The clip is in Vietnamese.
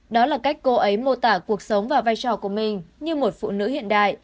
đó là cách cô ấy mô tả cuộc sống và vai trò của mình như một phụ nữ hiện đại